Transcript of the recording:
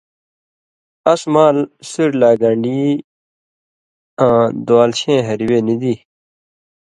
اس مال سُریۡ لا گݩڈی آں دُوالشَیں ہریۡ وے نی دی